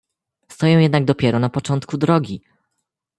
"Stoję jednak dopiero na początku drogi!"